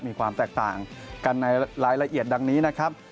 มีความแตกต่างกันในรายละเอียดดังนี้นะครับ